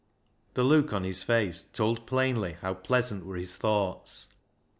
The look on his face told plainly how pleasant were his thoughts.